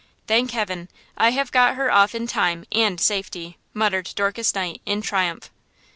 "Thank heaven! I have got her off in time and safety!" muttered Dorcas Knight, in triumph.